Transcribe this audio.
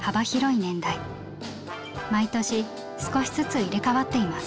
毎年少しずつ入れ替わっています。